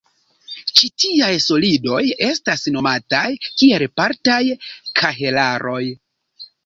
Ĉi tiaj "solidoj" estas nomataj kiel partaj kahelaroj.